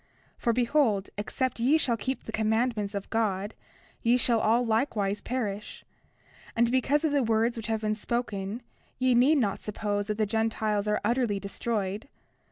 For behold, except ye shall keep the commandments of God ye shall all likewise perish; and because of the words which have been spoken ye need not suppose that the Gentiles are utterly destroyed.